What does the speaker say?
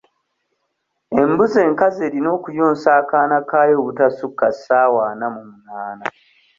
Embuzi enkazi erina okuyonsa akaana kaayo obutasukka ssaawa ana mu munaana.